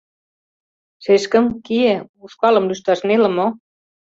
— Шешкым, кие, ушкалым лӱшташ неле мо?..